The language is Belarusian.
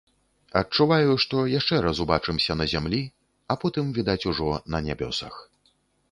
Адчуваю, што яшчэ раз убачымся на зямлі, а потым, відаць, ужо на нябёсах.